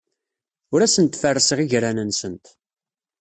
Ur asent-ferrseɣ igran-nsent.